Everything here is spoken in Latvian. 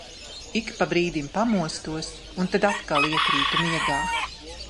Ik pa brīdim pamostos un tad atkal iekrītu miegā.